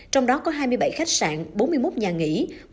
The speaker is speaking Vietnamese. trong đó có hai mươi bảy khách sạn bốn mươi một nhà nghỉ